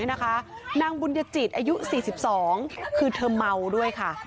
นางบุญญจิตอายุ๔๒คือเธอเมาด้วยค่ะ